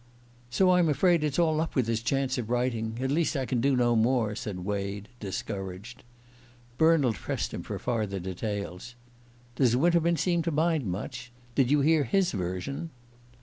"So I'm afraid it's all up with his chance of writing. At least I can do no more," said Wade, discouraged. Bernald pressed him for farther details. "Does Winterman seem to mind much? Did you hear his version?"